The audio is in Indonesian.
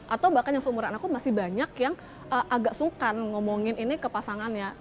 atau bahkan yang seumuran aku masih banyak yang agak sungkan ngomongin ini ke pasangannya